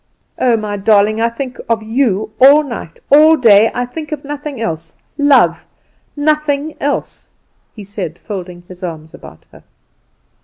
"Oh, my darling, I think of you all night, all day. I think of nothing else, love, nothing else," he said, folding his arms about her.